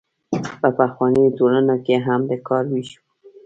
په پخوانیو ټولنو کې هم د کار ویش و.